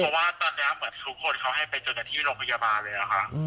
เพราะว่าตอนนี้เหมือนทุกคนเขาให้ไปจนกันที่โรงพยาบาลเลยค่ะ